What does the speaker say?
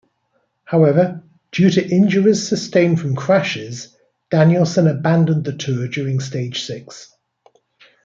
However, due to injuries sustained from crashes, Danielson abandoned the Tour during stage six.